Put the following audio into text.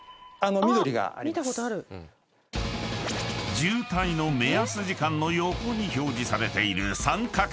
［渋滞の目安時間の横に表示されている三角マーク］